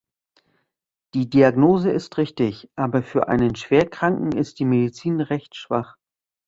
Die Diagnose ist richtig, aber für einen Schwerkranken ist die Medizin recht schwach.